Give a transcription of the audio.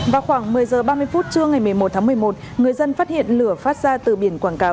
vào khoảng một mươi h ba mươi phút trưa ngày một mươi một tháng một mươi một người dân phát hiện lửa phát ra từ biển quảng cáo